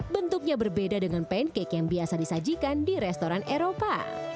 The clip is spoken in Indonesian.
bentuknya berbeda dengan pancake yang biasa disajikan di restoran eropa